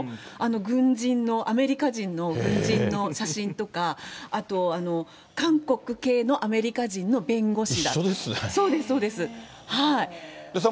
軍人の、アメリカ人の軍人の写真とか、あと韓国系のアメリカ人の弁護士だとか。